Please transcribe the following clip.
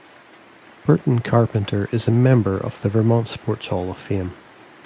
Burton Carpenter is a member of the Vermont Sports Hall of Fame.